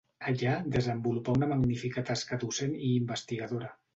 Allà desenvolupà una magnífica tasca docent i investigadora.